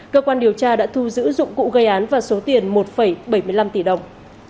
cơ quan điều tra đã thu giữ dụng cụ gây án và số tiền một bảy mươi năm tỷ đồng